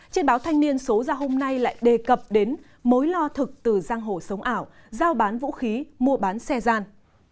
trên báo thanh niên số ra hôm nay lại đề cập đến mối lo thực từ giang hồ sống ảo giao bán vũ khí mua bán xe gian